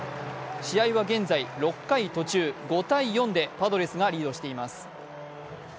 試合は現在６回途中、５−４でパドレスがリードしています。